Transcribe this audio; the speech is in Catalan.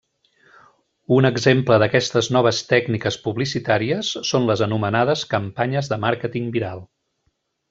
Un exemple d'aquestes noves tècniques publicitàries són les anomenades campanyes de màrqueting viral.